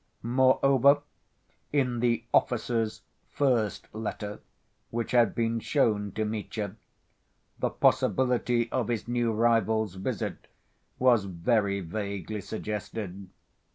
Moreover, in the "officer's" first letter which had been shown to Mitya, the possibility of his new rival's visit was very vaguely suggested.